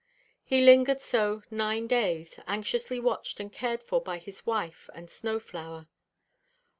He lingered so nine days, anxiously watched and cared for by his wife and Snow flower.